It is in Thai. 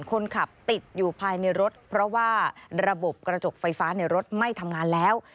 คนขับติดอยู่ภายในรถเพราะว่าระบบกระจกไฟฟ้าในรถไม่ทำงานแล้ว